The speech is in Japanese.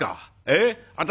「えっ私？